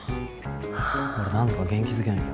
なんとか元気づけないと。